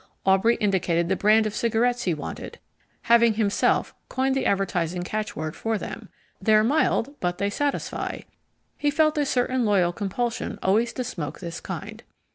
Aubrey indicated the brand of cigarettes he wanted. Having himself coined the advertising catchword for them They're mild but they satisfy he felt a certain loyal compulsion always to smoke this kind.